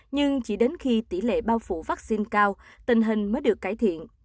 nhưng chỉ đến khi tỷ lệ bao phủ vaccine cao tình hình mới được cải thiện